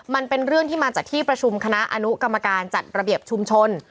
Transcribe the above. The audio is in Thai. มันเป็นเรื่องที่มาจากที่ประชุมคณะอนุกรรมการจัดระเบียบชุมชน